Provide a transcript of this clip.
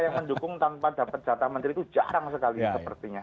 yang mendukung tanpa dapat jatah menteri itu jarang sekali sepertinya